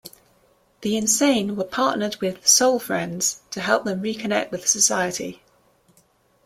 The insane were partnered with "soul friends" to help them reconnect with society.